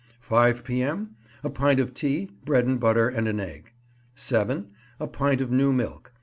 5 P.M. —A pint of tea, bread and butter, and an egg. 7 ,, —A pint of new milk.